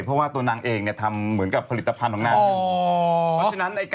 เพราะว่าตัวนางเองทำเหมือนกับผลิตภัณฑ์ของนางอยู่